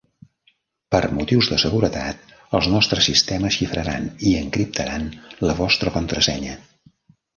Per motius de seguretat, els nostres sistemes xifraran i encriptaran la vostra contrasenya.